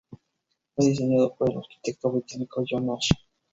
Fue diseñado por el arquitecto británico John Nash.